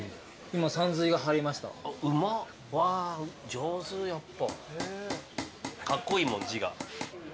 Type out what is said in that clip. ・上手やっぱ。